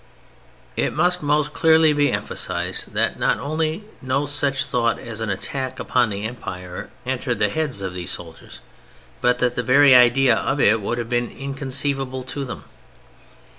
It must most clearly be emphasized that not only no such thought as an attack upon the Empire entered the heads of these soldiers, but that the very idea of it would have been inconceivable to them.